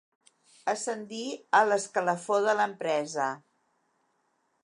Ascendir a l'escalafó de l'empresa.